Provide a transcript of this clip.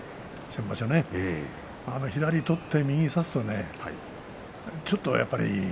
先場所ね左を取って右を差すとちょっとやっぱり。